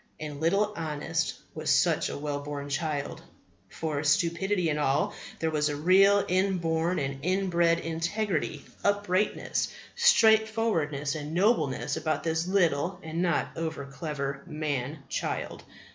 And little Honest was such a well born child. For, Stupidity and all, there was a real inborn and inbred integrity, uprightness, straightforwardness, and nobleness about this little and not over clever man child.